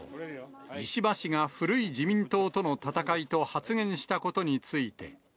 石破氏が古い自民党との戦いと発言したことについて。